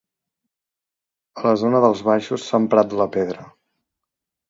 A la zona dels baixos s'ha emprat la pedra.